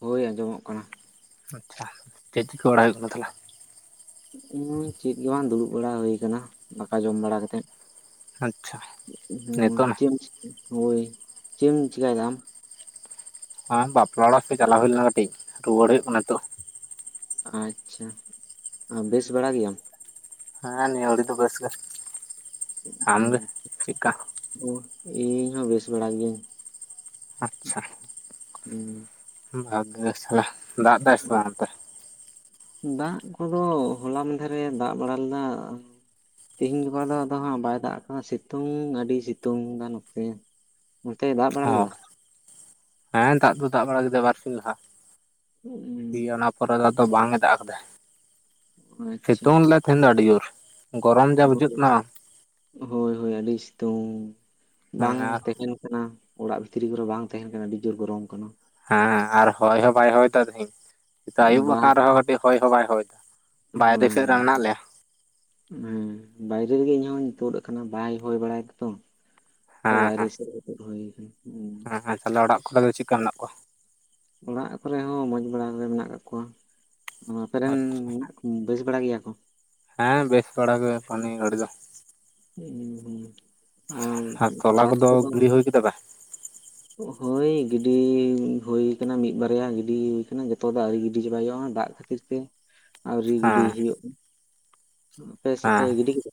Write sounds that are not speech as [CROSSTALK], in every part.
ᱦᱩᱭ ᱟᱸᱡᱚᱢᱚᱜ ᱠᱟᱱᱟ ᱟᱪᱪᱷᱟ ᱪᱮᱫ ᱪᱤᱠ ᱵᱟᱲᱟ ᱦᱩᱭᱩᱜ ᱠᱟᱱᱟ ᱛᱟᱞᱦᱮ? ᱩᱸ ᱪᱮᱫ ᱜᱮ ᱵᱟᱝ ᱫᱩᱲᱩᱵ ᱵᱟᱲᱟ ᱦᱩᱭᱩ ᱟᱠᱟᱱᱟ ᱫᱟᱠᱟ ᱡᱚᱢ ᱵᱟᱲᱟ ᱠᱟᱛᱮᱫ ᱟᱪᱪᱷᱟ ᱦᱩᱸ ᱱᱤᱛᱚᱜ ᱱᱟ ᱪᱮᱫ ᱪᱤ ᱦᱳᱭ ᱪᱮᱫᱮᱢ ᱪᱤᱠᱟᱹᱭᱮᱫᱟ ᱟᱢ? ᱟᱢ ᱵᱟᱯᱞᱟ ᱚᱲᱟᱜ ᱥᱮᱫ ᱪᱟᱞᱟᱣ ᱦᱩᱭ ᱞᱮᱱᱟ ᱠᱟᱹᱴᱤᱡ ᱨᱩᱣᱟᱹᱲ ᱦᱩᱭᱩᱜ ᱠᱟᱱᱟ ᱛᱚ ᱟᱪᱪᱷᱟ ᱵᱮᱥ ᱵᱟᱲᱟ ᱜᱮᱭᱟᱢ? ᱦᱮᱸ ᱱᱤᱭᱟᱹ ᱟᱹᱲᱤ ᱫᱚ ᱵᱮᱥ ᱜᱮ, ᱟᱢ ᱜᱮ ᱪᱮᱫᱠᱟ? ᱚ ᱤᱧ ᱦᱚᱸ ᱵᱮᱥ ᱵᱟᱲᱟ ᱜᱮᱧ ᱟᱪᱪᱷᱟ ᱦᱩᱸ ᱵᱷᱟᱠ ᱜᱮ ᱥᱟᱞᱟ ᱫᱟᱜ ᱮᱫᱟᱭ ᱥᱮ ᱵᱟᱝ ᱚᱱᱛᱮ ᱫᱟᱜ ᱠᱚᱫᱚ ᱦᱚᱞᱟ ᱢᱟᱫᱷᱮᱨ ᱨᱮ ᱫᱟᱜ ᱵᱟᱲᱟ ᱞᱮᱫᱟ ᱛᱮᱦᱮᱧ ᱜᱟᱯᱟ ᱫᱚ ᱟᱫᱚ ᱦᱟᱸᱜ ᱵᱟᱭ ᱫᱟᱜ ᱟᱠᱟᱫᱟ ᱥᱤᱛᱩᱝ ᱟᱹᱰᱤ ᱥᱤᱛᱩᱝ ᱮᱫᱟ ᱱᱚᱛᱮ ᱚᱱᱛᱮ ᱫᱟᱜ ᱵᱟᱲᱟ ᱚ ᱞᱮᱫᱟ? ᱦᱮᱸ ᱫᱟᱜ ᱫᱚ ᱫᱟᱜ ᱵᱟᱲᱟ ᱠᱮᱫᱟ ᱵᱟᱨ ᱥᱤᱧ ᱞᱟᱦᱟ ᱠᱤ ᱚᱱᱟ ᱯᱚᱨᱮ ᱫᱚ ᱟᱫᱚ ᱵᱟᱝ ᱮ ᱫᱟᱜ ᱟᱠᱟᱫᱟᱭ, ᱟᱪᱪᱷᱟ ᱥᱤᱛᱩᱝ ᱞᱮᱫ ᱛᱟᱦᱮᱸᱫ ᱟᱹᱰᱤ ᱡᱩᱨ ᱜᱚᱨᱚᱢ ᱡᱟ ᱵᱩᱡᱷᱟᱹᱜ ᱠᱟᱱᱟ ᱦᱳᱭ ᱦᱳᱭ ᱟᱹᱰᱤ ᱥᱤᱛᱩᱝ ᱦᱮᱸ ᱵᱟᱝ ᱟᱨ ᱛᱮᱠᱤᱱ ᱠᱟᱱᱟ ᱚᱲᱟᱜ ᱵᱷᱤᱛᱨᱤ ᱠᱚᱨᱮ ᱵᱟᱝ ᱛᱟᱦᱮᱸᱱ ᱠᱟᱱᱟ ᱟᱹᱰᱤ ᱡᱩᱨ ᱜᱚᱨᱚᱢ ᱠᱟᱱᱟ ᱦᱮᱸ ᱟᱨ ᱦᱚᱭ ᱦᱚᱸ ᱵᱟᱭ ᱦᱚᱭ ᱫᱟ ᱛᱮᱦᱮᱧ ᱱᱤᱛᱚᱜ ᱟᱹᱭᱩᱵ ᱵᱟᱝ ᱟᱠᱟᱱ ᱨᱮᱦᱚᱸ ᱠᱟᱹᱴᱤᱡ ᱦᱚᱭ ᱦᱚᱸ ᱵᱟᱭ ᱦᱚᱭ ᱫᱟ ᱵᱟᱭᱨᱮ ᱦᱳᱭ ᱥᱮᱫ ᱨᱮ ᱢᱮᱱᱟᱜ ᱞᱮᱭᱟ ᱦᱮᱸ ᱵᱟᱭᱨᱮ ᱨᱮᱜᱮ ᱤᱧᱦᱧ ᱛᱩᱫ ᱟᱠᱟᱱᱟ ᱵᱟᱭ ᱦᱩᱭ ᱵᱟᱲᱟᱭᱮᱫᱟ ᱛᱚ ᱚᱱᱠᱟ ᱵᱟᱭᱨᱮ ᱥᱮᱫ ᱨᱮ ᱛᱩᱫ ᱦᱩᱭ ᱟᱠᱟᱱᱟ ᱦᱩᱸ ᱟᱛᱟᱞᱦᱮ ᱚᱲᱟᱜ ᱠᱚᱨᱮ ᱫᱚ ᱪᱮᱫ ᱠᱟ ᱪᱮᱫ ᱠᱟ ᱮᱱᱟᱜ ᱠᱚᱣᱟ? ᱚᱲᱟᱜ ᱠᱚᱨᱮᱦᱚᱸ ᱢᱚᱸᱡᱽ ᱵᱟᱲᱟ ᱜᱮ ᱢᱮᱱᱟᱜ ᱟᱠᱟᱜ ᱠᱚᱣᱟ᱾ ᱚ ᱟᱯᱮ ᱨᱤᱱ ᱟᱪᱪᱷᱟ ᱠᱷᱟᱜ ᱵᱮᱥ ᱵᱟᱲᱟ ᱜᱮᱭᱟ ᱠᱚ ᱦᱮᱸ ᱵᱮᱥ ᱵᱟᱷᱟᱲᱟ ᱜᱮ ᱚᱱᱠᱟ ᱱᱤᱭᱟᱹ ᱜᱟᱹᱲᱤ ᱫᱚ ᱩᱸᱻ ᱦᱩᱸ ᱟᱨ ᱛᱚᱞᱟ ᱠᱚᱫᱚ ᱜᱤᱰᱤ ᱦᱩᱭ ᱠᱮᱫᱟᱯᱮ ᱦᱳᱭ ᱜᱤᱰᱤ ᱦᱩᱭ ᱟᱠᱟᱱᱟ ᱢᱤᱫ ᱵᱟᱨᱭᱟ ᱜᱤᱰᱤ ᱟᱠᱟᱱᱟ ᱡᱚᱛᱚ ᱫᱚ ᱟᱣᱨᱤ ᱜᱤᱰᱤ ᱪᱟᱵᱟ ᱦᱩᱭᱩᱜᱼᱟ ᱫᱟᱜ ᱠᱷᱟᱹᱛᱤᱨ ᱛᱮ [UNINTELLIGIBLE] ᱟᱹᱣᱨᱤ ᱜᱤᱰᱤ ᱦᱮᱸ ᱦᱩᱭᱩᱜ ᱟᱯᱮ ᱥᱮᱫ ᱯᱮ ᱦᱮᱸ ᱜᱤᱰᱤ ᱠᱮᱫᱟ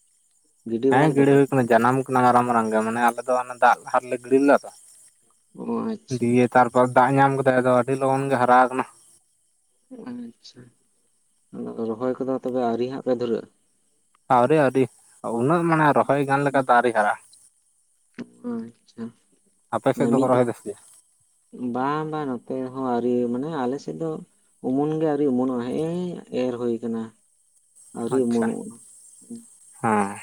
ᱜᱤᱰᱤ ᱦᱮᱸ ᱵᱟᱲᱟ ᱠᱮᱫᱟ ᱜᱤᱲᱟᱹ ᱯᱮ ᱦᱩᱭ ᱠᱟᱱᱟ ᱡᱟᱱᱟᱢ ᱠᱟᱱᱟ ᱢᱟᱨᱟᱝ ᱢᱟᱨᱟᱝ ᱜᱮ ᱢᱟᱱᱮ ᱟᱞᱮ ᱫᱚ ᱚᱱᱮ ᱫᱟᱜ ᱞᱟᱦᱟ ᱨᱮᱞᱮ ᱜᱤᱲᱤ ᱞᱮᱫᱟ ᱚ ᱛᱚ ᱟᱪᱪᱷᱟ ᱫᱤᱭᱮ ᱛᱟᱨᱯᱚᱨ ᱫᱟᱜ ᱧᱟᱢ ᱠᱮᱫᱟᱭ ᱟᱫᱚ ᱟᱹᱰᱤ ᱞᱚᱜᱚᱱ ᱜᱮ ᱦᱟᱨᱟ ᱟᱠᱟᱱᱟ ᱟᱪᱪᱷᱟ ᱨᱚᱦᱚᱭ ᱠᱚᱫᱚ ᱛᱚᱵᱮ ᱟᱣᱨᱤ ᱦᱟᱸᱜ ᱯᱮ ᱫᱷᱩᱨᱟᱹᱜᱼᱟ ᱟᱹᱣᱨᱤ ᱟᱹᱣᱨᱤ ᱩᱱᱟᱹᱜ ᱢᱟᱱᱮ ᱨᱚᱦᱚᱭ ᱜᱟᱱ ᱞᱮᱠᱟ ᱫᱚ ᱟᱣᱨᱤ ᱦᱟᱨᱟᱜ-ᱟ ᱟᱪᱪᱷᱟ ᱟᱯᱮ ᱥᱮᱫ ᱢᱮ ᱫᱚᱠᱚ ᱢᱤᱫ ᱨᱚᱦᱚᱭ ᱫᱷᱟᱣ ᱫᱟ ᱥᱮ ᱪᱮᱫ ᱵᱟᱝ ᱵᱟᱝ ᱱᱚᱛᱮ ᱦᱚᱸ ᱟᱹᱨᱤ ᱢᱟᱱᱮ ᱟᱞᱮᱥᱮᱫ ᱫᱚ ᱚᱢᱚᱱ ᱜᱮ ᱟᱹᱣᱨᱤ ᱚᱢᱚᱱᱚᱜ-ᱟ ᱦᱮᱸᱜ- ᱮᱸᱻ ᱮᱨ ᱦᱩᱭ ᱟᱠᱟᱱᱟ ᱟᱪᱪᱷᱟ ᱦᱮᱸ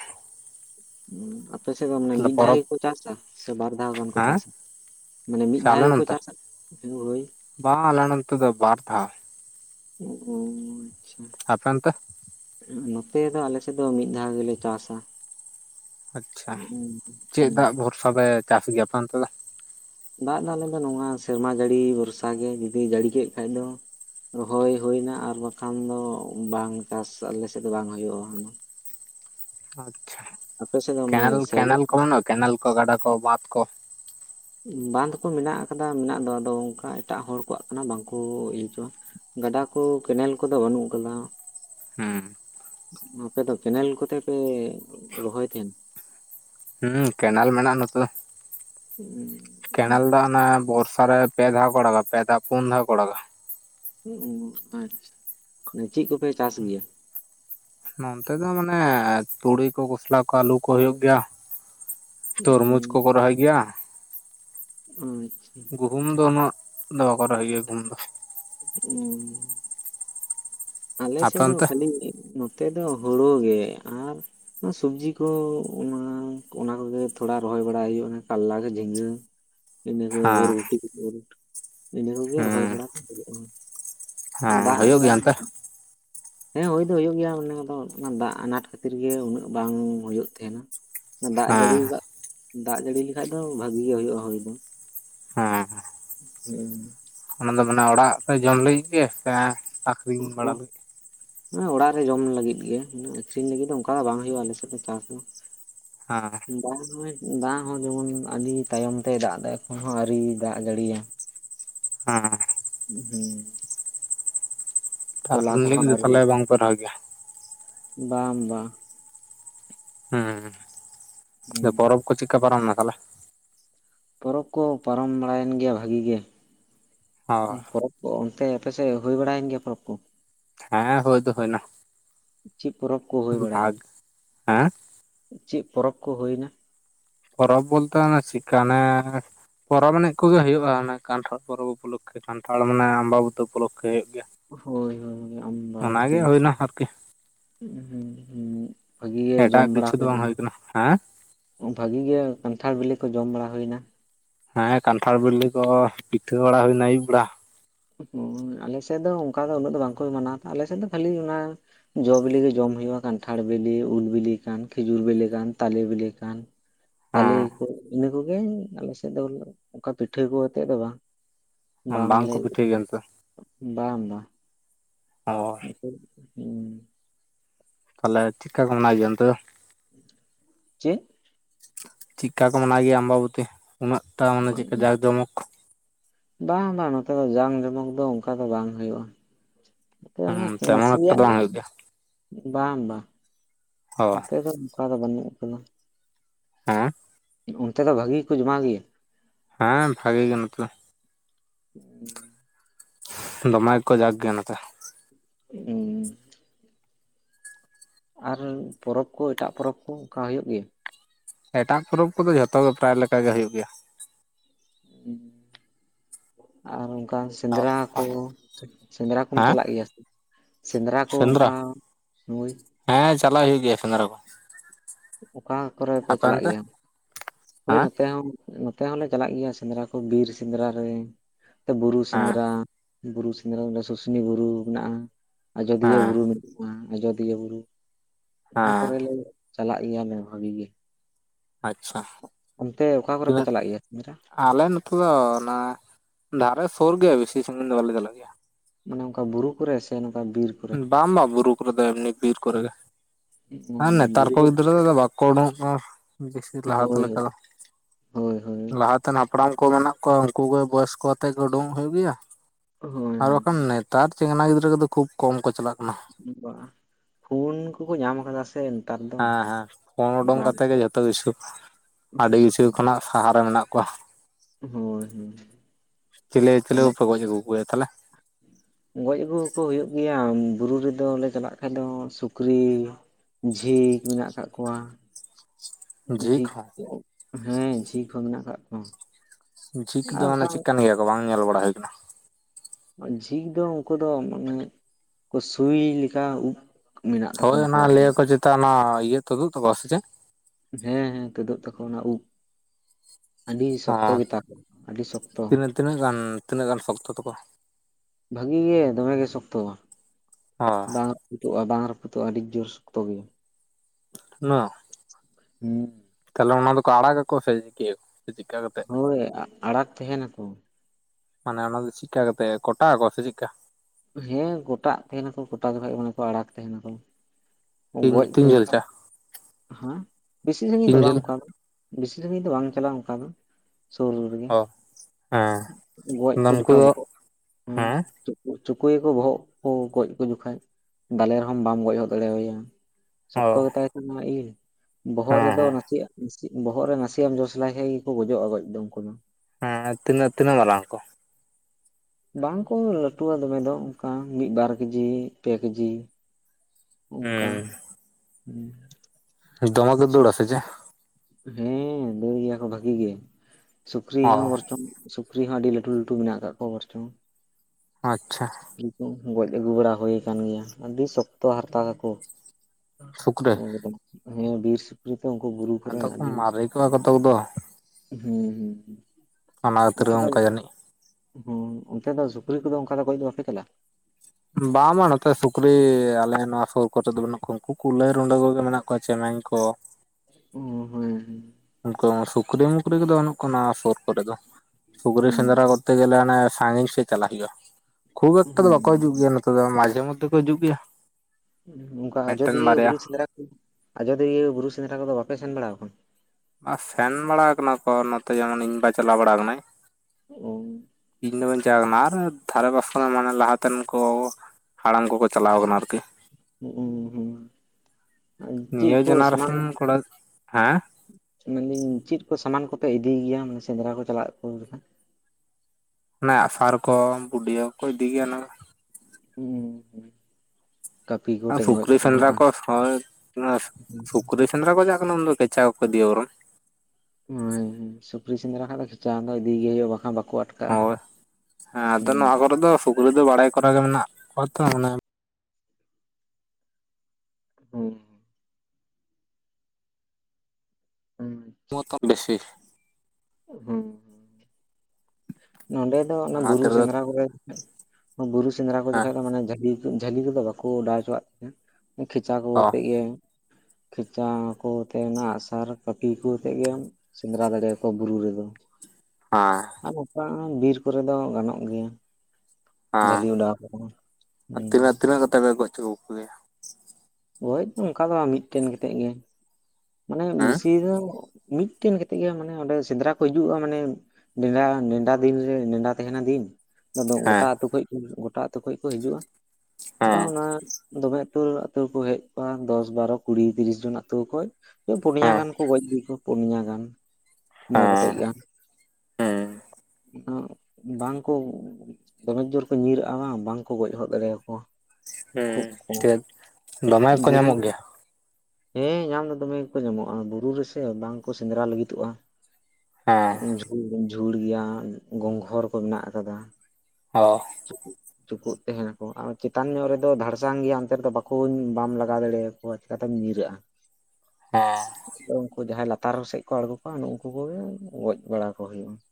ᱟᱯᱮ ᱥᱮᱫ ᱫᱚ ᱢᱟᱱᱮ ᱛᱟᱦᱞᱮ ᱢᱤᱫ ᱫᱷᱟᱣ ᱯᱚᱨᱚᱵᱽ ᱜᱮᱠᱚ ᱪᱟᱥ ᱥᱮ ᱵᱟᱨ ᱫᱷᱟᱣ ᱜᱟᱱ ᱠᱚ ᱦᱮᱸ ᱪᱟᱥᱼᱟ ᱢᱟᱱᱮ ᱢᱤᱫ ᱫᱷᱟᱣ ᱜᱮ ᱠᱚ ᱪᱟᱥᱟ ᱦᱩᱭ ᱵᱟᱝ-ᱟ ᱟᱞᱮ ᱱᱚᱱᱛᱮ ᱫᱚ ᱵᱟᱨ ᱫᱷᱟᱣ ᱚ ᱟᱪᱪᱷᱟ ᱟᱯᱮ ᱚᱱᱛᱮ? ᱱᱚᱛᱮ ᱫᱚ ᱟᱞᱮ ᱥᱮᱫ ᱫᱚ ᱢᱤᱫ ᱫᱷᱟᱣ ᱜᱮᱞᱮ ᱪᱟᱥᱟ᱾ ᱟᱪᱪᱷᱟ ᱦᱩᱸ ᱪᱮᱫ ᱦᱩᱸ, ᱫᱟᱜ ᱵᱷᱚᱨᱥᱟ ᱯᱮ ᱪᱟᱥ ᱜᱮᱭᱟ ᱟᱯᱮ ᱚᱱᱛᱮ ᱫᱚ? ᱫᱟᱜ ᱫᱚ ᱟᱞᱮ ᱫᱚ ᱱᱚᱣᱟ ᱥᱮᱨᱢᱟ ᱡᱟᱹᱲᱤ ᱵᱷᱚᱨᱥᱟ ᱜᱮ ᱡᱩᱫᱤ ᱡᱟᱹᱲᱤ ᱠᱮᱫ ᱠᱷᱟᱡ ᱫᱚ᱾ ᱨᱚᱦᱚᱭ ᱦᱩᱭᱱᱟ ᱟᱨ ᱵᱟᱠᱷᱟᱱ ᱫᱚ ᱵᱟᱝ ᱪᱟᱥ ᱟᱞᱮ ᱥᱮᱫ ᱫᱚ ᱵᱟᱝ ᱦᱩᱭᱩᱜᱼᱟ ᱦᱩᱱᱟᱝ᱾ ᱟᱪᱪᱷᱟ ᱟᱯᱮ ᱥᱮᱫ ᱫᱚ ᱢᱟᱱᱮ ᱠᱮᱱᱟᱞ ᱥᱮᱨ ᱠᱮᱱᱟᱞ ᱠᱚ [UNINTELLIGIBLE] ᱠᱮᱱᱮᱞ ᱠᱚ, ᱜᱟᱰᱟ ᱠᱚ, ᱵᱟᱸᱛ ᱠᱚ ᱵᱟᱸᱛ ᱠᱚ ᱢᱮᱱᱟᱜ ᱟᱠᱟᱫᱟ ᱢᱮᱱᱟᱜ ᱫᱚ ᱟᱫᱚ ᱚᱱᱠᱟ ᱮᱴᱟᱜ ᱦᱚᱲ ᱠᱚᱣᱟᱜ ᱠᱟᱱᱟ ᱵᱟᱝ ᱠᱚ ᱮᱭᱟᱹ ᱪᱚᱣᱟ ᱜᱟᱰᱟ ᱠᱚ ᱠᱮᱱᱮᱞ ᱠᱚ ᱫᱚ ᱵᱟᱹᱱᱩᱜ ᱟᱠᱟᱫᱟ᱾ ᱦᱩᱸ ᱟᱯᱮ ᱫᱚ ᱠᱮᱱᱮᱞ ᱠᱚᱛᱮ ᱯᱮ ᱨᱚᱦᱚᱭ ᱛᱟᱦᱮᱱᱟ? ᱦᱮᱸ ᱠᱮᱱᱮᱞ ᱢᱮᱱᱟᱜᱼᱟ ᱱᱚᱛᱮ ᱫᱚ ᱠᱮᱱᱮᱞ ᱫᱚ ᱚᱱᱟ ᱵᱚᱨᱥᱟ ᱥᱟᱨᱮ ᱯᱮ ᱫᱷᱟᱣ ᱠᱚ ᱚᱲᱟᱜᱟ ᱯᱮ ᱫᱷᱟᱣ ᱯᱩᱱ ᱫᱷᱟᱣ ᱠᱳ ᱚᱲᱟᱜᱟ [UNINTELLIGIBLE] ᱟᱪᱪᱷᱟ ᱪᱮᱫ ᱠᱚ ᱯᱮ ᱪᱟᱥ ᱜᱮᱭᱟ? ᱱᱚᱱᱛᱮ ᱫᱚ ᱢᱟᱱᱮ ᱛᱩᱲᱤ ᱠᱚ ᱠᱷᱚᱥᱞᱟ ᱠᱚ ᱟᱹᱞᱩ ᱠᱚ ᱦᱩᱭᱩᱜ ᱜᱮᱭᱟ᱾ ᱛᱚᱨᱢᱩᱡᱽ ᱠᱚ ᱠᱚ ᱨᱚᱦᱚᱭ ᱜᱮᱭᱟ? ᱚᱸ ᱟᱪᱪᱷᱟ ᱜᱩᱦᱩᱢ ᱫᱚ ᱩᱱᱟᱹᱜ ᱫᱚ ᱵᱟᱠᱚ ᱨᱚᱦᱚᱭ ᱜᱮᱭᱟ ᱜᱩᱦᱩᱢ ᱫᱚ᱾ ᱦᱩᱸ ᱟᱞᱮ ᱟᱯᱮ ᱥᱮᱫ ᱫᱚ ᱚᱱᱛᱮ ᱠᱷᱟᱹᱞᱤ ᱱᱚᱛᱮ ᱫᱚ ᱦᱩᱲᱩᱜ ᱜᱮ ᱟᱨ ᱚᱱᱟ ᱥᱚᱵᱡᱤ ᱠᱚ ᱚᱱᱟ ᱚᱱᱟ ᱠᱚ ᱜᱮ ᱛᱷᱚᱲᱟ ᱨᱚᱦᱚᱭ ᱵᱟᱲᱟᱭ ᱦᱩᱭᱩᱜᱼᱟ ᱠᱟᱞᱞᱟ ᱥᱮ ᱡᱷᱤᱸᱜᱟᱹ [INAUDIBLE] [UNINTELLIGIBLE] ᱦᱮᱸ ᱤᱱᱟᱹ ᱠᱚᱜᱮ ᱨᱚᱦᱚᱭ ᱦᱮᱸ ᱵᱟᱲᱟ ᱠᱚ ᱦᱩᱭᱩᱜᱼᱟ᱾ ᱦᱮᱸ ᱫᱟᱜ ᱦᱩᱭᱩᱜ ᱜᱮᱭᱟ ᱚᱱᱛᱮ [UNINTELLIGIBLE] ᱦᱮᱸ ᱦᱩᱭ ᱫᱚ ᱦᱩᱭᱩᱜ ᱜᱮᱭᱟ ᱟᱱᱮ ᱫᱟᱜ ᱟᱱᱟᱴ ᱠᱷᱟᱹᱛᱤᱨ ᱜᱮ ᱩᱱᱟᱹᱜ ᱵᱟᱝ ᱦᱩᱭᱩᱜ ᱛᱟᱦᱮᱸᱱᱟ᱾ ᱫᱟᱜ ᱦᱮᱸ ᱡᱟᱹᱲᱤ ᱫᱟᱜ ᱡᱟᱹᱲᱤ ᱞᱮᱠᱷᱟᱡ ᱫᱚ ᱵᱷᱟᱜᱤ ᱜᱮ ᱦᱩᱭᱩᱜᱼᱟ ᱦᱳᱭ ᱫᱚ ᱦᱮᱸ ᱦᱮᱸ ᱚᱱᱟ ᱫᱚ ᱢᱟᱱᱮ ᱚᱲᱟᱜ ᱛᱮ ᱡᱚᱢ ᱞᱟᱹᱜᱤᱫ ᱜᱮ? [UNINTELLIGIBLE] ᱞᱟᱹᱜᱤᱫ [UNINTELLIGIBLE] ᱮᱸ ᱚᱲᱟᱜ ᱨᱮ ᱡᱚᱢ ᱞᱟᱹᱜᱤᱫ ᱜᱮ ᱟᱠᱷᱨᱤᱧ ᱞᱟᱹᱜᱤᱫ ᱫᱚ ᱚᱱᱠᱟ ᱫᱚ ᱵᱟᱝ ᱦᱳᱭᱳᱜ-ᱟ ᱟᱞᱮ ᱥᱮᱫ ᱫᱚ ᱪᱟᱥ ᱫᱚ᱾ ᱦᱮᱸᱻ ᱫᱟᱜ ᱦᱚᱸ ᱫᱟᱜ ᱦᱚᱸ ᱡᱮᱢᱚᱱ ᱟᱹᱰᱤ ᱛᱟᱭᱚᱢ ᱛᱮ ᱫᱟᱜ ᱮᱫᱟ ᱮᱠᱷᱚᱱ ᱦᱚᱸ ᱟᱹᱣᱨᱤ ᱫᱟᱜ ᱡᱟᱹᱲᱤᱭᱟ ᱦᱮᱸ ᱦᱩᱸ ᱛᱚᱞᱟ ᱟᱠᱷᱨᱤᱧ ᱠᱚᱦᱚᱸ ᱞᱟᱹᱜᱤᱫ ᱫᱚ ᱟᱹᱣᱨᱤ ᱛᱟᱦᱚᱞᱮ ᱵᱟᱝ ᱯᱮ ᱨᱚᱦᱚᱭ ᱜᱮᱭᱟ? ᱵᱟᱝ ᱵᱟᱝ ᱦᱮᱸ ᱦᱮᱸ ᱟᱫᱚ ᱦᱩᱸ ᱯᱚᱨᱚᱵᱽ ᱠᱚ ᱪᱮᱫᱠᱟ ᱯᱟᱨᱚᱢᱱᱟ ᱛᱟᱞᱦᱮ? ᱯᱚᱨᱚᱵᱽ ᱠᱚ ᱯᱟᱨᱚᱢ ᱵᱟᱲᱟᱭ ᱮᱱ ᱜᱮᱭᱟ ᱵᱷᱟᱹᱜᱤ ᱜᱮ, ᱚ ᱯᱚᱨᱚᱵᱽ ᱚᱱᱛᱮ ᱟᱯᱮ ᱥᱮᱫ ᱦᱩᱭ ᱵᱟᱲᱟᱭᱮᱱ ᱜᱮᱭᱟ ᱯᱚᱨᱚᱵᱽ ᱠᱚ? ᱦᱮᱸ ᱦᱳᱭ ᱫᱚ ᱦᱩᱭᱱᱟ ᱪᱮᱫ ᱯᱚᱨᱚᱵᱽ ᱠᱚ ᱵᱷᱟᱜᱽ ᱦᱮᱸ ᱪᱮᱜ ᱯᱚᱨᱚᱵᱽ ᱠᱚ ᱦᱩᱭᱱᱟ? ᱵᱚᱨᱚᱵ ᱵᱚᱞᱛᱮ ᱚᱱᱮ ᱪᱤᱠᱟ ᱚᱱᱮ ᱯᱚᱨᱚᱵᱽ ᱮᱱᱮᱡ ᱠᱚᱜᱮ ᱦᱩᱭᱩᱜᱼᱟ, ᱚᱱᱮ ᱠᱟᱱᱴᱷᱟᱲ ᱯᱚᱨᱚᱵ ᱩᱯᱚᱞᱚᱠᱠᱷᱮ ᱠᱟᱱᱴᱷᱟᱲ ᱢᱟᱱᱮ ᱟᱢᱵᱟ ᱵᱩᱛᱤ ᱩᱯᱚᱞᱚᱠᱠᱷᱚᱮ ᱦᱩᱭᱩᱜ ᱜᱮᱭᱟ ᱾ ᱦᱳᱭ ᱦᱳᱭ ᱚᱱᱟᱜᱮ ᱦᱩᱭᱱᱟ ᱟᱨᱠᱤ ᱩᱸ ᱦᱩᱸ ᱵᱷᱟᱹᱜᱤ ᱜᱮ ᱡᱚᱢ ᱮᱴᱟᱜ ᱵᱟᱲᱟ ᱠᱤᱪᱷᱩ ᱫᱚ ᱵᱟᱝ ᱦᱩᱭ ᱠᱟᱱᱟ ᱦᱮᱸ ᱵᱷᱟᱜᱤ ᱜᱮ ᱠᱟᱱᱴᱷᱟᱲ ᱵᱤᱞᱮ ᱠᱚ ᱡᱚᱢ ᱵᱟᱲᱟ ᱦᱩᱭᱮᱱᱟ ᱦᱮᱸ ᱠᱟᱱᱴᱷᱟᱲ ᱵᱤᱞᱤ ᱠᱚ ᱯᱤᱴᱷᱟᱹ ᱵᱟᱲᱟ ᱦᱩᱭᱱᱟ ᱟᱹᱭᱩᱵ ᱵᱮᱲᱟ ᱦᱩᱸ ᱟᱞᱮᱥᱮᱫ ᱫᱚ ᱚᱝᱠᱟ ᱫᱚ ᱩᱱᱟᱹᱜ ᱫᱚ ᱵᱟᱝᱠᱚ ᱢᱟᱱᱟᱣᱟ ᱟᱞᱮᱥᱮᱫ ᱫᱚ ᱠᱷᱟᱹᱞᱤ ᱚᱱᱟ ᱡᱚ ᱵᱤᱞᱤ ᱜᱮ ᱡᱚᱢ ᱦᱩᱭᱩᱜᱼᱟ ᱠᱟᱱᱴᱷᱟᱲ ᱵᱤᱞᱤ ᱩᱞ ᱵᱤᱞᱤ ᱠᱟᱱ ᱠᱷᱤᱡᱩᱨ ᱵᱤᱞᱤ ᱠᱟᱱ ᱛᱟᱞᱮ ᱵᱤᱞᱤ ᱠᱟᱱ ᱛᱟᱞᱮ ᱠᱚ ᱤᱱᱟᱹ ᱠᱚᱜᱮ ᱟᱞᱮ ᱥᱮᱫ ᱫᱚ ᱚᱝᱠᱟ ᱯᱤᱴᱷᱟᱹ ᱠᱚ ᱟᱛᱮᱜ ᱫᱚ ᱵᱟᱝ ᱵᱟᱝᱞᱮ ᱵᱟᱝᱠᱚ ᱯᱤᱴᱷᱟᱹᱭ ᱜᱮᱭᱟ ᱱᱚᱛᱮ ᱫᱚ ᱵᱟᱝ ᱵᱟᱝ ᱚ [UNINTELLIGIBLE] ᱛᱟᱦᱞᱮ ᱴᱷᱤᱠᱟ ᱢᱟᱱᱟ ᱜᱮᱭᱟ ᱱᱚᱛᱮ ᱫᱚ ᱪᱮᱜ ᱪᱮᱜ ᱠᱟ ᱠᱚ ᱢᱟᱱᱟᱣ ᱜᱮᱭᱟ ᱟᱢᱵᱟᱵᱚᱛᱤ ᱩᱱᱟᱹᱜ ᱴᱟ ᱢᱟᱱᱮ ᱪᱮᱠᱟ ᱡᱟᱠ ᱡᱚᱢᱚᱠ ᱵᱟᱝ ᱵᱟᱝ ᱱᱚᱛᱮ ᱫᱚ ᱡᱟᱝ ᱡᱚᱢᱚᱠ ᱫᱚ ᱚᱝᱠᱟ ᱫᱚ ᱵᱟᱝ ᱦᱩᱭᱩᱜᱼᱟ ᱛᱚ ᱦᱩᱸ ᱚᱱᱟ ᱛᱮᱢᱚᱱ ᱮᱠᱴᱟ ᱫᱚ ᱱᱟᱥᱤᱭᱟᱜ ᱵᱟᱝ ᱦᱩᱭᱩᱜ ᱜᱮᱭᱟ [UNINTELLIGIBLE] ᱵᱟᱝ ᱵᱟᱝ ᱚ ᱱᱚᱛᱮ ᱫᱚ ᱚᱝᱠᱟ ᱫᱚ ᱵᱟᱹᱱᱩᱜ ᱟᱠᱟᱫᱟ ᱦᱮᱸ ᱚᱱᱛᱮ ᱫᱚ ᱵᱷᱟᱹᱜᱤ ᱜᱮ ᱠᱚ ᱡᱚᱢᱟᱣ ᱜᱮᱭᱟ ᱦᱮᱸᱻ ᱵᱷᱟᱹᱜᱤ ᱜᱮ ᱱᱚᱛᱮ ᱫᱚ ᱫᱚᱢᱮ ᱜᱮ ᱠᱚ ᱡᱟᱠ ᱜᱮᱭᱟ ᱱᱚᱛᱮ ᱦᱩᱸᱜᱼᱩᱸ ᱟᱨ ᱯᱚᱨᱚᱵᱽ ᱠᱚ ᱮᱴᱟᱜ ᱯᱚᱨᱚᱵᱽ ᱠᱚ ᱚᱝᱠᱟ ᱦᱩᱭᱩᱜ ᱜᱮᱭᱟ ᱮᱴᱟᱜ ᱯᱚᱨᱚᱵᱽ ᱠᱚᱫᱚ ᱡᱷᱚᱛᱚ ᱜᱮ ᱯᱨᱟᱭ ᱞᱮᱠᱟ ᱜᱮ ᱦᱩᱭᱩᱜ ᱜᱮᱭᱟ ᱦᱩᱸ ᱟᱨ ᱚᱝᱠᱟ ᱟᱨ ᱥᱮᱸᱫᱽᱨᱟ ᱠᱚ ᱥᱮᱸᱫᱽᱨᱟ ᱠᱚᱢ ᱦᱮᱸ ᱪᱟᱞᱟᱜ ᱜᱮᱭᱟ ᱥᱮᱸᱫᱽᱨᱟ ᱠᱚ ᱚᱝᱠᱟ ᱦᱚᱭ ᱦᱮᱸ ᱪᱟᱞᱟᱣ ᱦᱩᱭᱩᱜ ᱜᱮᱭᱟ ᱥᱮᱸᱫᱽᱨᱟ ᱠᱚ ᱚᱠᱟ ᱠᱚᱨᱮ ᱯᱮ ᱟᱯᱮ ᱪᱟᱞᱟᱜ ᱚᱱᱛᱮ ᱜᱮᱭᱟ ᱦᱚᱭ ᱦᱮᱸ ᱱᱚᱛᱮ ᱦᱚᱸ ᱱᱚᱛᱮ ᱦᱚᱸᱞᱮ ᱪᱟᱞᱟᱜ ᱜᱮᱭᱟ ᱥᱮᱸᱫᱽᱨᱟ ᱠᱚ ᱵᱤᱨ ᱥᱮᱸᱫᱽᱨᱟ ᱨᱮ ᱱᱚᱛᱮ ᱵᱩᱨᱩ ᱦᱮᱸ ᱥᱮᱸᱫᱽᱨᱟ ᱵᱩᱨᱩ ᱥᱮᱸᱫᱽᱨᱟ ᱵᱚᱞᱮ ᱥᱩᱥᱱᱤ ᱵᱩᱨᱩ ᱢᱮᱱᱟᱜᱼᱟ ᱟᱡᱚᱫᱤᱭᱟᱹ ᱵᱩᱨᱩ ᱦᱮᱸ ᱟᱡᱚᱫᱤᱭᱟᱹ ᱵᱩᱨᱩ ᱚᱱᱟ ᱦᱮᱸ ᱠᱚᱨᱮᱞᱮ ᱪᱟᱞᱟᱜ ᱜᱮᱭᱟᱞᱮ ᱵᱷᱟᱹᱜᱤ ᱜᱮ ᱟᱪᱪᱷᱟ ᱚᱱᱛᱮ ᱚᱠᱟ ᱠᱚᱨᱮ ᱯᱮ ᱛᱤᱱᱟᱹᱜ ᱪᱟᱞᱟᱜ ᱜᱮᱭᱟ ᱥᱮᱸᱫᱽᱨᱟ ᱟᱞᱮ ᱱᱚᱛᱮ ᱫᱚ ᱚᱱᱟ ᱫᱷᱟᱨᱮ ᱥᱩᱨ ᱜᱮᱭᱟ ᱵᱮᱥᱤ ᱥᱟᱺᱜᱤᱧ ᱫᱚ ᱵᱟᱞᱮ ᱪᱟᱞᱟᱜ ᱜᱮᱭᱟ ᱚᱱᱮ ᱚᱝᱠᱟ ᱵᱩᱨᱩ ᱠᱚᱨᱮ ᱥᱮ ᱱᱚᱝᱠᱟ ᱵᱤᱨ ᱠᱚᱨᱮ? ᱵᱟᱝ ᱵᱟᱝ ᱵᱩᱨᱩ ᱠᱚᱨᱮ ᱫᱚ ᱮᱢᱱᱤ ᱵᱤᱨ ᱠᱚᱨᱮ ᱜᱮ ᱟᱨ ᱱᱮᱛᱟᱨ ᱠᱚ ᱜᱤᱫᱽᱨᱟᱹ ᱵᱟᱠ ᱠᱚ ᱚᱰᱚᱠᱚᱜ ᱠᱟᱱᱟ ᱵᱤᱥᱤ ᱞᱟᱦᱟᱛᱮ ᱦᱳᱭ ᱞᱮᱠᱟ ᱫᱚ ᱦᱳᱭ ᱦᱳᱭ ᱞᱟᱦᱟᱫ ᱛᱮᱱ ᱦᱟᱯᱲᱟᱢ ᱠᱚ ᱢᱮᱱᱟᱜ ᱠᱚᱣᱟ ᱩᱝᱠᱩ ᱜᱮ ᱵᱚᱭᱚᱥᱠᱚ ᱟᱛᱮᱜ ᱠᱚ ᱩᱰᱩᱝᱚᱜ ᱦᱩᱭᱩᱜ ᱜᱮᱭᱟ ᱦᱳᱭ ᱟᱨ ᱵᱟᱠᱷᱟᱱ ᱱᱮᱛ ᱛᱟᱨ ᱪᱮᱝᱱᱟ ᱜᱤᱫᱽᱨᱟᱹ ᱠᱚᱫᱚ ᱠᱷᱩᱵ ᱠᱚᱢ ᱠᱚ ᱪᱟᱞᱟᱜ ᱠᱟᱱᱟ ᱵᱟᱝ ᱯᱷᱩᱱ ᱠᱚᱠᱚ ᱧᱟᱢ ᱟᱠᱟᱫᱟ ᱥᱮ ᱱᱮᱛᱟᱨ ᱫᱚ ᱟᱸ ᱦᱟᱸ ᱯᱷᱚᱱ ᱚᱰᱚᱝ ᱵᱟᱝ ᱠᱟᱛᱮ ᱜᱮ ᱠᱚ ᱡᱚᱛᱚ ᱠᱤᱪᱷᱩ ᱟᱹᱰᱤ ᱦᱩᱸ ᱠᱤᱪᱷᱩ ᱠᱷᱚᱱᱟᱜ ᱥᱟᱦᱟ ᱨᱮ ᱢᱮᱱᱟᱜ ᱠᱚᱣᱟ ᱦᱚᱭ ᱦᱩᱸ ᱪᱮᱞᱮ ᱪᱮᱞᱮ ᱮᱱᱮᱡ ᱠᱚᱯᱮ ᱜᱚᱡ ᱟᱹᱜᱩ ᱠᱚᱜᱮᱭᱟ ᱛᱟᱦᱞᱮ? ᱜᱚᱡ ᱟᱹᱜᱩ ᱦᱚᱠᱚ ᱦᱩᱭᱩᱜ ᱜᱮᱭᱟ ᱵᱩᱨᱩ ᱨᱮᱫᱚᱞᱮ ᱪᱟᱞᱟᱜ ᱠᱷᱟᱡ ᱫᱚ ᱥᱩᱠᱨᱤ, ᱡᱷᱤᱠ ᱢᱮᱱᱟᱜ ᱟᱠᱟᱜ ᱠᱚᱣᱟ, ᱡᱷᱤᱠ ᱦᱮᱸ ᱡᱷᱤᱠ ᱦᱚᱸ ᱢᱮᱱᱟᱜ ᱟᱠᱟᱜ ᱠᱚᱣᱟ ᱾ ᱡᱷᱤᱠ ᱫᱚ ᱢᱟᱱᱮ ᱪᱮᱠᱟᱱ ᱜᱮᱭᱟ ᱠᱚ ᱵᱟᱝ ᱧᱮᱞ ᱵᱟᱲᱟ ᱦᱩᱭ ᱠᱟᱱᱟ? ᱡᱷᱤᱠ ᱫᱚ ᱩᱝᱠᱩ ᱫᱚ ᱢᱟᱱᱮ ᱠᱚ ᱥᱩᱭ ᱞᱮᱠᱟ ᱩᱵ ᱢᱮᱱᱟᱜ ᱛᱟᱠᱚ ᱩᱝᱠᱩᱣᱟᱜ ᱫᱚ ᱾ ᱛᱮ ᱚᱱᱟ ᱤᱭᱟᱹ ᱛᱩᱫᱩᱜ ᱛᱟᱠᱚᱣᱟ ᱥᱮ ᱪᱮᱜ ᱦᱮᱸ ᱦᱮᱸ ᱛᱩᱫᱚᱜ ᱛᱟᱠᱚ ᱚᱱᱟ ᱩᱵ ᱾ ᱟᱹᱰᱤ ᱚ ᱥᱚᱠᱛᱚ ᱜᱮᱛᱟ ᱠᱚᱣᱟ ᱟᱹᱰᱤ ᱥᱚᱠᱛᱚ ᱾ ᱛᱤᱱᱟᱹᱜ ᱛᱤᱱᱟᱹᱜ ᱜᱟᱱ ᱛᱤᱱᱟᱹᱜ ᱜᱟᱱ ᱥᱚᱠᱛᱚ ᱛᱟᱠᱚ ᱵᱷᱟᱹᱜᱤ ᱜᱮ ᱫᱚᱢᱮ ᱜᱮ ᱥᱚᱠᱛᱚᱣᱟ ᱚ ᱵᱟᱝ ᱛᱩᱫᱚᱜᱼᱟ ᱵᱟᱝ ᱨᱟᱹᱯᱩᱫᱚᱜᱼᱟ ᱟᱹᱰᱤ ᱡᱚᱨ ᱥᱚᱠᱛᱚ ᱜᱮᱭᱟ ᱾ [UNINTELLIGIBLE] [UNINTELLIGIBLE] ᱛᱟᱦᱚᱞᱮ ᱚᱱᱟ ᱫᱚᱠᱚ ᱟᱲᱟᱜ ᱟᱠᱚ ᱥᱮ ᱪᱤᱠᱟᱹᱭ ᱟᱠᱚ ᱥᱮ ᱪᱤᱠᱟ ᱠᱟᱛᱮ ᱦᱳᱭ ᱟᱲᱟᱜ ᱛᱟᱦᱮᱱᱟ ᱟᱠᱚ ᱾ ᱢᱟᱱᱮ ᱚᱱᱟ ᱫᱚ ᱪᱮᱫᱠᱟ ᱠᱟᱛᱮᱜ ᱠᱚᱴᱟ ᱟᱠᱚᱣᱟ ᱥᱮ ᱪᱮᱫᱠᱟ? ᱦᱮᱸ ᱠᱚᱴᱟ ᱛᱟᱦᱮᱱ ᱟᱠᱚ ᱠᱚᱴᱟ ᱡᱚᱠᱷᱚᱡ ᱢᱮᱱ ᱟᱠᱚ ᱟᱲᱟᱜ ᱛᱟᱦᱮᱱ ᱟᱠᱚ ᱾ ᱛᱤᱱ ᱜᱚᱡ ᱛᱤᱱ ᱠᱚᱜ ᱡᱷᱟᱹᱞ ᱪᱟ ᱦᱮᱸ ᱵᱮᱥᱤ ᱥᱟᱺᱜᱤᱧ ᱛᱤᱱ ᱫᱚ ᱵᱟᱝ ᱡᱷᱟᱹᱞ ᱚᱱᱠᱟ ᱫᱚ, ᱵᱮᱥᱤ ᱵᱷᱟᱵᱤᱡ ᱫᱚ ᱵᱟᱝ ᱪᱟᱞᱟᱜ-ᱟ ᱚᱱᱠᱟ ᱫᱚ, ᱥᱩᱨ ᱨᱮᱜᱮ ᱚ ᱦᱮᱸ ᱜᱚᱡ ᱟᱫᱚ ᱠᱚ ᱩᱱᱠᱩ ᱡᱚᱠᱷᱚᱱ ᱫᱚ ᱵᱚᱦᱚᱜ ᱦᱮᱸ ᱪᱩᱠᱩᱭ ᱭᱟᱠᱚ ᱵᱚᱦᱚᱜ ᱠᱚ ᱜᱚᱡ ᱡᱚᱠᱷᱟᱱ ᱫᱟᱞᱮ ᱨᱮᱦᱚᱢ ᱵᱟᱢ ᱜᱚᱡ ᱦᱚᱫ ᱫᱟᱲᱮᱣᱭᱟ ᱾ ᱚ ᱥᱚᱠᱛᱚ ᱜᱮᱛᱟᱭ ᱠᱷᱟᱱ ᱤᱧ ᱵᱚᱦᱚᱜ ᱦᱮᱸ ᱨᱮᱫᱚ ᱦᱮᱸ ᱱᱟᱥᱮᱭᱟᱜ ᱵᱚᱦᱚᱜ ᱨᱮ ᱱᱟᱥᱮᱭᱟᱜ ᱮᱢ ᱡᱚᱥ ᱞᱮᱠᱷᱟᱡ ᱜᱮᱠᱚ ᱜᱚᱡᱚᱜ-ᱟ ᱜᱚᱡ ᱫᱚ ᱩᱱᱠᱩ ᱫᱚ ᱾ ᱦᱮᱸ ᱛᱤᱱᱟᱹᱜ ᱛᱤᱱᱟᱹᱜ ᱛᱤᱱᱟᱹᱜ ᱢᱟᱨᱟᱝ ᱟᱠᱚ? ᱵᱟᱝᱠᱚ ᱞᱟᱹᱴᱩᱣᱟ ᱫᱚᱢᱮ ᱫᱚ ᱚᱱᱠᱟ ᱢᱤᱫ ᱵᱟᱨ ᱠᱮᱡᱤ ᱯᱮ ᱠᱮᱡᱤ, ᱚᱝᱠᱟ ᱦᱩᱸ ᱦᱩᱸ ᱾ ᱫᱚᱢᱮ ᱠᱚ ᱫᱟᱹᱲ ᱟᱥᱮ ᱪᱮᱫ? ᱦᱮᱸ ᱫᱟᱹᱲ ᱜᱮᱭᱟ ᱠᱚ ᱵᱷᱟᱹᱜᱤ ᱜᱮ ᱥᱩᱠᱨᱤ ᱚ ᱦᱚᱸ ᱵᱚᱨᱪᱚᱢ ᱥᱩᱠᱨᱤ ᱦᱚᱸ ᱟᱹᱰᱤ ᱞᱟᱹᱴᱩ ᱞᱟᱹᱴᱩ ᱢᱮᱱᱟᱜ ᱟᱠᱟᱫ ᱠᱚᱣᱟ ᱵᱚᱨᱪᱚᱝ, ᱟᱪᱪᱷᱟ ᱾ ᱜᱚᱡ ᱟᱹᱜᱩ ᱵᱟᱲᱟ ᱦᱩᱭ ᱟᱠᱟᱱ ᱜᱮᱭᱟ ᱟᱹᱰᱤ ᱥᱚᱠᱛᱚ ᱦᱟᱨᱛᱟ ᱛᱟᱠᱚ ᱾ ᱥᱩᱠᱨᱤ ᱮᱠᱫᱚᱢ ᱦᱮᱸ ᱵᱤᱨ ᱥᱩᱠᱨᱤ ᱛᱚ ᱩᱱᱠᱩ ᱵᱩᱨᱩ ᱠᱚᱨᱮ ᱟᱫᱚ ᱠᱚ ᱟᱹᱰᱤ ᱢᱟᱨᱮ ᱠᱚᱜ-ᱟ ᱠᱚᱛᱚᱠ ᱫᱚ ᱾ ᱦᱩᱸ ᱦᱩᱸ ᱚᱱᱟ ᱠᱷᱟᱹᱛᱤᱨ ᱜᱮ ᱚᱱᱛᱮ ᱫᱚ ᱚᱱᱠᱟ ᱡᱟᱹᱱᱤᱡ ᱦᱩᱸ ᱚᱱᱛᱮ ᱫᱚ ᱥᱩᱠᱨᱤ ᱠᱚᱫᱚ ᱚᱝᱠᱟ ᱜᱚᱡ ᱫᱚ ᱵᱟᱯᱮ ᱪᱟᱞᱟᱜ-ᱟ? ᱵᱟᱝ ᱵᱟᱝ ᱱᱚᱛᱮ ᱥᱩᱠᱨᱤ ᱟᱞᱮ ᱱᱚᱣᱟ ᱥᱩᱨ ᱠᱚᱨᱮ ᱫᱚ ᱵᱟᱹᱱᱩᱜ ᱠᱚᱣᱟ ᱩᱱᱠᱩ ᱠᱩᱞᱟᱹᱭ ᱨᱩᱸᱰᱟᱹ ᱠᱚᱜᱮ ᱢᱮᱱᱟᱜ ᱠᱚᱣᱟ ᱾ ᱚᱱᱠᱟ ᱪᱮᱢᱮᱧ ᱠᱚ, ᱩᱻ ᱦᱳᱭ ᱦᱩᱸ ᱾ ᱩᱱᱠᱩ ᱥᱩᱠᱨᱤ ᱢᱩᱠᱨᱤ ᱠᱚᱫᱚ ᱵᱟᱹᱱᱩᱜ ᱠᱚᱣᱟ ᱱᱚᱣᱟ ᱥᱩᱨ ᱠᱚᱨᱮ ᱫᱚ ᱥᱩᱠᱨᱤ ᱦᱩᱸ ᱥᱮᱸᱫᱽᱨᱟ ᱠᱚ ᱠᱨᱛᱮ ᱜᱮᱞᱮ ᱟᱱᱮ ᱥᱟᱺᱜᱤᱧ ᱥᱮᱫ ᱪᱟᱞᱟᱜ ᱦᱩᱭᱩᱜ-ᱟ ᱠᱷᱩᱵ ᱮᱠᱴᱟ ᱫᱚ ᱦᱩᱸ ᱵᱟᱠᱚ ᱦᱤᱡᱩᱜ ᱜᱮᱭᱟ ᱾ ᱛᱚᱵᱮ ᱢᱟᱡᱮ ᱢᱚᱫᱽᱫᱷᱮ ᱠᱚ ᱦᱤᱡᱩᱜ ᱜᱮᱭᱟ ᱾ ᱚᱝᱠᱟ ᱟᱡᱚᱫᱤᱭᱟᱹ ᱵᱩᱨᱩ ᱥᱮᱸᱫᱽᱨᱟ ᱟᱡᱚᱫᱤᱭᱟᱹ ᱵᱩᱨᱩ ᱥᱮᱸᱫᱽᱨᱟ ᱠᱚᱫᱚ ᱵᱟᱯᱮ ᱥᱮᱱ ᱵᱟᱲᱟ ᱠᱟᱱᱟ? ᱵᱟ ᱥᱮᱱ ᱵᱟᱲᱟ ᱟᱠᱟᱱᱟ ᱠᱚ ᱱᱚᱛᱮ ᱡᱮᱢᱚᱱ ᱤᱧ-ᱵᱟ ᱪᱟᱞᱟᱣ ᱵᱟᱲᱟ ᱠᱟᱱᱟᱭ ᱾ ᱚ ᱾ ᱤᱧ ᱫᱚ ᱵᱟᱹᱧ ᱪᱟᱣ ᱟᱠᱟᱱᱟ ᱟᱨ ᱫᱷᱟᱨᱮ ᱯᱟᱥ ᱠᱷᱚᱱ ᱢᱟᱱᱮ ᱞᱟᱦᱟᱛᱮᱱ ᱠᱚ ᱦᱟᱲᱟᱢ ᱠᱚᱠᱚ ᱪᱟᱞᱟᱣ ᱟᱠᱟᱱᱟ ᱟᱨᱠᱤ ᱾ ᱚ ᱦᱩᱸ [INAUDIBLE] ᱪᱮᱫ ᱱᱤᱭᱟᱹ ᱠᱚ ᱥᱟᱱᱟᱢ ᱡᱮᱱᱟᱨᱮᱥᱚᱱ ᱠᱚᱲᱟ ᱦᱮᱸ [INAUDIBLE] ᱢᱮᱱᱫᱤᱧ ᱪᱮᱫ ᱠᱚ ᱥᱟᱢᱟᱱ ᱠᱚᱯᱮ ᱤᱫᱤ ᱜᱮᱭᱟ ᱢᱟᱱᱮ ᱥᱮᱸᱫᱽᱨᱟ ᱠᱚ ᱪᱟᱞᱟᱜ [UNINTELLIGIBLE] ᱚᱱᱟ ᱟᱸᱜᱼᱥᱟᱨ ᱠᱚ ᱵᱩᱰᱟᱹᱭᱟᱹ ᱠᱚ ᱤᱫᱤ ᱜᱮᱭᱟ ᱚᱱᱟ ᱩᱸᱻ ᱦᱩᱸ ᱾ ᱟᱨ ᱥᱩᱠᱨᱤ ᱥᱮᱸᱫᱽᱨᱟ ᱵᱟᱝ? ᱠᱚ ᱦᱚᱭ [INAUDIBLE] ᱚᱱᱟ ᱥᱩᱠᱨᱤ ᱥᱮᱸᱫᱽᱨᱟ ᱠᱚ ᱪᱟᱜ ᱠᱟᱱᱟ ᱩᱱᱫᱚ ᱠᱮᱪᱟ ᱠᱚᱠᱚ ᱤᱫᱤᱭᱟ ᱵᱚᱨᱚᱢ ᱾ ᱦᱩᱸ ᱥᱩᱠᱨᱤ ᱥᱮᱸᱫᱽᱨᱟ ᱠᱷᱟᱱ ᱫᱚ ᱠᱷᱮᱪᱟ ᱫᱚ ᱤᱫᱤ ᱜᱮ ᱦᱩᱭᱩᱜᱼᱟ ᱵᱟᱠᱷᱟᱱ ᱵᱟᱠᱚ ᱟᱴᱚᱠ ᱦᱳᱭ ᱾ [INAUDIBLE] ᱦᱮᱸ ᱟᱫᱚ ᱱᱚᱣᱟ ᱠᱚᱨᱮ ᱫᱚ ᱥᱩᱠᱨᱤ ᱫᱚ ᱵᱟᱲᱟᱭ ᱠᱚᱨᱟ ᱜᱮ ᱢᱮᱱᱟᱜ ᱟᱠᱟᱫ ᱠᱚᱣᱟ ᱛᱚ ᱢᱟᱱᱮ ᱦᱩᱸ ᱾ [UNINTELLIGIBLE] [UNINTELLIGIBLE] ᱵᱮᱥᱤ ᱦᱩᱸ ᱾ [INAUDIBLE] ᱱᱚᱰᱮ ᱫᱚ ᱚᱱᱟ ᱵᱩᱨᱩ ᱥᱮᱸᱫᱽᱨᱟ ᱠᱚᱨᱮ [INAUDIBLE] ᱵᱩᱨᱩ ᱥᱮᱸᱫᱽᱨᱟ ᱠᱚ ᱦᱮᱸ ᱡᱚᱠᱷᱟ ᱫᱚ ᱢᱟᱱᱮ ᱡᱷᱟᱹᱞᱤ ᱡᱷᱟᱹᱞᱤ ᱠᱚᱫᱚ ᱵᱟᱠᱚ ᱚᱰᱟᱣ ᱦᱚᱪᱚᱣᱟᱜ ᱛᱟᱦᱮᱸᱜ ᱾ ᱠᱷᱮᱪᱟ ᱠᱚ ᱚ ᱟᱛᱮᱫ ᱜᱮ ᱠᱷᱮᱪᱟ ᱠᱚᱛᱮ ᱟᱸᱜᱼᱥᱟᱨ ᱠᱟᱹᱯᱤ ᱠᱚᱛᱮᱫ ᱜᱮᱢ ᱥᱮᱸᱫᱽᱨᱟ ᱫᱟᱲᱮᱭᱟᱠᱩ ᱾ ᱠᱚ ᱵᱩᱨᱩ ᱨᱮᱫᱚ ᱾ ᱦᱟᱸ ᱾ ᱟᱨ ᱱᱚᱝᱠᱟ ᱵᱤᱨ ᱠᱚᱨᱮ ᱫᱚ ᱜᱟᱱᱚᱜ ᱜᱮᱭᱟ ᱾ ᱦᱮᱸ [INAUDIBLE] ᱟᱨ ᱛᱤᱱᱟᱹᱜ ᱛᱤᱱᱟᱹᱜ ᱠᱟᱛᱮ ᱯᱮ ᱜᱚᱡ ᱟᱹᱜᱩ ᱠᱚᱜᱮᱭᱟ? ᱜᱚᱡ ᱚᱝᱠᱟ ᱫᱚ ᱵᱟᱝ ᱢᱤᱫᱴᱮᱱ ᱠᱟᱛᱮᱫ ᱜᱮ ᱾ ᱢᱟᱱᱮ ᱦᱮᱸ ᱵᱮᱥᱤ ᱫᱚ ᱢᱤᱫᱴᱮᱱ ᱠᱟᱛᱮᱫ ᱜᱮ ᱢᱟᱱᱮ ᱚᱸᱰᱮ ᱥᱮᱸᱫᱽᱨᱟ ᱠᱚ ᱦᱤᱡᱩᱜᱼᱟ ᱢᱟᱱᱮ ᱱᱮᱰᱟ ᱱᱮᱰᱟ ᱫᱤᱱ ᱨᱮ ᱱᱮᱰᱟ ᱛᱟᱦᱮᱱᱟ ᱫᱤᱱ ᱾ ᱟᱫᱚ ᱜᱚᱴᱟ ᱦᱮᱸ ᱟᱹᱛᱩ ᱠᱷᱚᱡ ᱜᱚᱴᱟ ᱟᱹᱛᱩ ᱠᱷᱚᱡ ᱠᱚ ᱦᱤᱡᱩᱜᱼᱟ ᱾ [INAUDIBLE] ᱟᱫᱚ ᱦᱮᱸ ᱚᱱᱟ ᱫᱚᱢᱮ ᱟᱹᱛᱩ ᱟᱹᱛᱩ ᱦᱚᱲ ᱠᱚ ᱦᱮᱡ ᱠᱚᱜᱼᱟ ᱫᱚᱥ ᱵᱟᱨᱚ ᱠᱩᱲᱤ ᱛᱤᱨᱤᱥ ᱡᱚᱱ ᱟᱹᱛᱩ ᱠᱷᱚᱡ ᱾ ᱤᱱᱠᱟᱹ ᱯᱩᱱᱭᱟ ᱦᱮᱸ ᱜᱟᱱ ᱠᱚ ᱜᱚᱡ ᱤᱫᱤ ᱠᱚᱣᱟ ᱯᱩᱱᱭᱟ ᱜᱟᱱ ᱾ [INAUDIBLE] ᱢᱚᱬᱮ ᱦᱮᱸ ᱜᱚᱴᱮᱡ ᱜᱟᱱ ᱾ ᱦᱮᱸ ᱾ [UNINTELLIGIBLE] ᱵᱟᱝᱠᱚ ᱫᱚᱢᱮᱠ ᱡᱳᱨ ᱠᱚ ᱧᱤᱨᱟᱹᱜᱼᱟ ᱵᱟᱝ ᱵᱟᱝᱠᱚ ᱜᱚᱡ ᱦᱚᱫ ᱫᱟᱲᱮᱭᱟᱠᱚᱣᱟ ᱾ ᱦᱮᱸ ᱪᱮᱫ ᱫᱚᱢᱮ ᱠᱚ ᱵᱩᱨᱩ ᱧᱟᱢᱚᱜ ᱜᱮᱭᱟ? ᱦᱮᱸ ᱧᱟᱢ ᱫᱚ ᱫᱚᱢᱮ ᱜᱮᱠᱚ ᱧᱟᱢᱚᱜᱼᱟ ᱵᱩᱨᱩ ᱨᱮ ᱥᱮ ᱵᱟᱝᱠᱚ ᱥᱮᱸᱫᱽᱨᱟ ᱞᱟᱹᱜᱤᱫᱚᱜᱼᱟ ᱦᱮᱸ ᱾ [INAUDIBLE] ᱡᱷᱩᱲ ᱡᱷᱩᱲ ᱜᱮᱭᱟ ᱜᱚᱝᱜᱷᱚᱨ ᱠᱚ ᱢᱮᱱᱟᱜ ᱟᱠᱟᱫᱟ ᱾ [INAUDIBLE] ᱚ ᱾ [INAUDIBLE] ᱪᱩᱠᱩᱜ ᱛᱟᱦᱮᱱᱟᱠᱚ ᱾ ᱟᱫᱚ ᱪᱮᱛᱟᱱ ᱧᱚᱜ ᱨᱮᱫᱚ ᱫᱷᱟᱲᱥᱟᱝ ᱜᱮᱭᱟ ᱚᱱᱛᱮ ᱨᱮᱫᱚ ᱵᱟᱠᱚ ᱵᱟᱢ ᱞᱟᱜᱟᱣ ᱫᱟᱲᱮᱭᱟᱠᱚᱣᱟ ᱾ ᱚ ᱪᱮᱠᱟᱛᱮᱢ ᱧᱤᱨᱟᱹᱜᱼᱟ ᱾ ᱦᱮᱸ ᱾ ᱩᱱᱠᱩ ᱡᱟᱦᱟᱸᱭ ᱞᱟᱛᱟᱨ ᱥᱮᱫ ᱠᱚ ᱟᱬᱜᱚ ᱠᱚᱣᱟ ᱩᱱᱠᱩ ᱠᱚᱜᱮ ᱜᱚᱡ ᱵᱟᱲᱟ ᱠᱚ ᱦᱩᱭᱩᱜᱼᱟ ᱾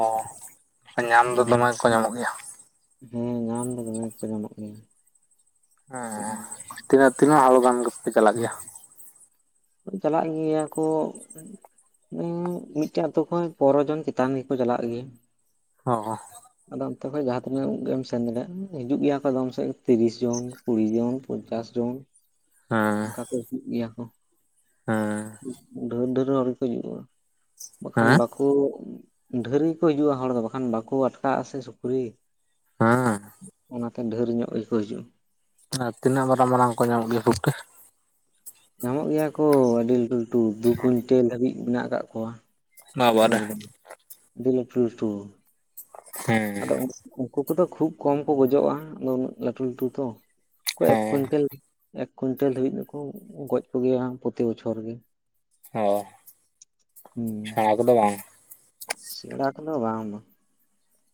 ᱚᱸᱼᱦᱚ ᱾ [INAUDIBLE] ᱧᱟᱢ ᱫᱚ ᱫᱚᱢᱮ ᱠᱚ ᱧᱟᱢᱚᱜ ᱜᱮᱭᱟ? ᱦᱮᱸ ᱧᱟᱢ ᱫᱚ ᱫᱚᱢᱮ ᱜᱮᱠᱚ ᱧᱟᱢᱚᱜ ᱜᱮᱭᱟ ᱾ ᱦᱮᱸ ᱦᱮᱸ ᱛᱤᱱᱟᱹᱜ ᱛᱤᱱᱟᱹᱜ ᱦᱚᱲ ᱜᱟᱱ ᱜᱮᱯᱮ ᱪᱟᱞᱟᱜ ᱜᱮᱭᱟ? ᱪᱟᱞᱟᱜ ᱜᱮᱭᱟ ᱠᱚᱻ ᱩᱢ ᱢᱤᱫᱴᱮᱡ ᱟᱛᱩ ᱠᱷᱚᱱ ᱯᱚᱱᱮᱨᱚᱡᱚᱱ ᱪᱮᱛᱟᱱ ᱜᱮᱠᱚ ᱪᱟᱞᱟᱜ ᱜᱮᱭᱟ ᱾ ᱦᱚᱸᱜᱼᱚ ᱾ ᱟᱫᱚ ᱚᱱᱛᱮ ᱠᱷᱚᱡ ᱡᱟᱦᱟᱸ ᱛᱤᱱᱟᱹᱜ ᱜᱮᱢ ᱥᱮᱱ ᱫᱟᱲᱮᱭᱟᱜᱼᱟ, ᱦᱤᱡᱩᱜ ᱜᱮᱭᱟ ᱠᱚ ᱟᱫᱚᱢ ᱥᱮᱫ ᱛᱤᱨᱤᱥ ᱡᱚᱱ ᱾ ᱠᱩᱲᱤ ᱡᱚᱱ, ᱯᱚᱧᱪᱟᱥ ᱡᱚᱱ ᱦᱮᱸ ᱚᱱᱠᱟ ᱠᱚ ᱦᱤᱡᱩᱜ ᱜᱮᱭᱟ ᱠᱚ᱾ ᱦᱮᱸ᱾ ᱰᱷᱮᱹᱨ ᱰᱷᱮᱹᱨ ᱦᱚᱲ ᱜᱮᱠᱚ ᱦᱤᱡᱩᱜ-ᱟ, ᱵᱟᱠᱷᱟᱱ ᱦᱮᱸ ᱵᱟᱠ ᱠᱩ ᱰᱷᱮᱨ ᱜᱮᱠᱚ ᱦᱤᱡᱩᱜ-ᱟ ᱦᱚᱲ ᱫᱚ ᱵᱟᱠᱷᱟᱱ ᱵᱟᱠᱚ ᱟᱴᱠᱟᱜ-ᱟ ᱥᱮ ᱥᱩᱠᱨᱤ᱾ ᱦᱮᱸ᱾ ᱚᱱᱟᱛᱮ ᱰᱷᱮᱨ ᱧᱚᱜ ᱜᱮᱠᱚ ᱦᱤᱡᱩᱜ-ᱟ᱾ ᱟᱨ ᱛᱤᱱᱟᱹᱜ ᱢᱟᱨᱟᱝ ᱢᱟᱨᱟᱝ ᱠᱚ ᱧᱟᱢᱚᱜ ᱜᱮᱭᱟ ᱯᱩᱴᱠᱟᱹ? ᱧᱟᱢᱚᱜ ᱜᱮᱭᱟ ᱠᱚ ᱟᱹᱰᱤ ᱞᱟᱹᱴᱩ ᱞᱟᱹᱴᱩ ᱫᱩ ᱠᱩᱭᱤᱱᱴᱮᱹᱞ ᱫᱷᱟᱹᱵᱤᱡ ᱢᱮᱱᱟᱜ ᱠᱟᱜ ᱠᱚᱣᱟ᱾ ᱵᱟᱵᱟᱨᱮ ᱮᱫᱚᱢ ᱟᱹᱵᱤ ᱞᱟᱴᱩ-ᱞᱟᱴᱩ᱾ ᱦᱮᱸ ᱟᱫᱚ ᱩᱱ-ᱩᱱᱠᱩ ᱠᱚᱫᱚ ᱠᱷᱩᱵ ᱠᱚᱢ ᱠᱚ ᱜᱚᱡᱚᱜ-ᱟ ᱟᱫᱚ ᱩᱱᱟᱹᱜ ᱞᱟᱹᱴᱩ ᱞᱟᱹᱴᱩ ᱛᱚ᱾ ᱠᱚ ᱮᱠ ᱦᱮᱸ ᱠᱩᱭᱱᱴᱮᱹᱞ, ᱮᱠ ᱠᱩᱭᱱᱴᱮᱹᱞ ᱫᱷᱟᱹᱵᱤᱡ ᱫᱚᱠᱚ ᱜᱚᱡ ᱠᱚᱜᱮᱭᱟ ᱯᱨᱚᱛᱤ ᱵᱚᱪᱷᱚᱨ ᱜᱮ᱾ ᱦᱮᱸ, ᱦᱩᱸ ᱥᱮᱬᱟ ᱠᱚᱫᱚ ᱵᱟᱝ᱾ ᱥᱮᱬᱟ ᱠᱚᱫᱚ ᱵᱟᱝ ᱵᱟ᱾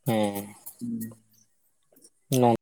ᱦᱮᱸ᱾ ᱦᱩᱸ᱾ [UNINTELLIGIBLE]